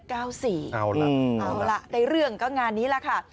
เอาละในเรื่องก็งานนี้ล่ะค่ะ